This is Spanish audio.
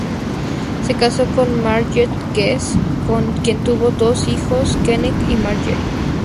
Se casó con Marguerite Guest, con quien tuvo dos hijos: Kenneth y Marguerite.